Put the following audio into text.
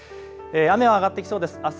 雨は上がってきそうです。